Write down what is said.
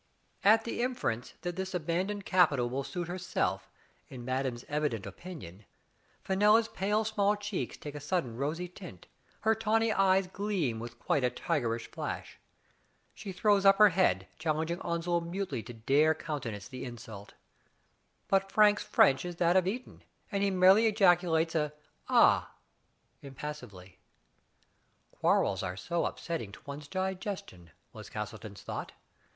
At the inference that this abandoned capital will suit herself, in madame's evident opinion, Fenella's pale small cheeks take a sudden rosy tint, her tawny eyes gleam with quite a tigerish flash. She throws up her head, challenging Onslow mutely to dare countenance the insult. Digitized by Google MAY CROMMELIN, 59 But Frank's French is that of Eton, and he merely ejaculates an "Ah!" impassively. ("Quarrels are so upsetting to one's digestion," was Castleton's thought.